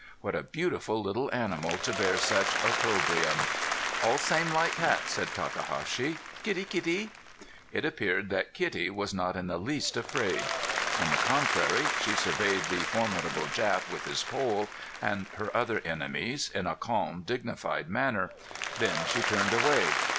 What a beautiful little animal to bear such opprobrium! "All same like cat," said Takahashi. "Kittee kittee." It appeared that kitty was not in the least afraid. On the contrary she surveyed the formidable Jap with his pole, and her other enemies in a calm, dignified manner. Then she turned away.